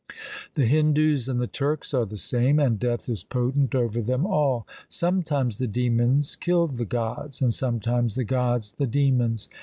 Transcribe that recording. The Hindus and the Turks are the same, and death is potent over them all. Sometimes the demons killed the gods, and sometimes the gods the demons.